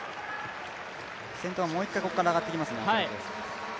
先頭はもう一回ここから上がってきますね。